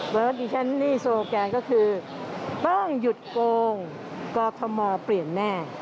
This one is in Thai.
เพราะฉะนั้นดิฉันนี่โซโลแกนก็คือต้องหยุดโกงกอทมเปลี่ยนแน่